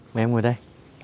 mời em ngồi đây